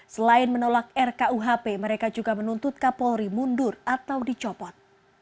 selain menolak rkuhp mereka juga menuntut kapolri mundur atau dicopot